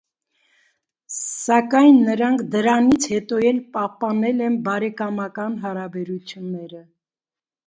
Սակայն նրանք դրանից հետո էլ պահպանել են բարեկամական հարաբերությունները։